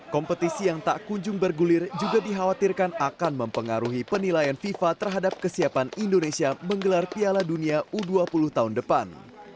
kompetisi yang tak kunjung bergulir juga dikhawatirkan akan mempengaruhi penilaian fifa terhadap kesiapan indonesia menggelar piala dunia u dua puluh tahun depan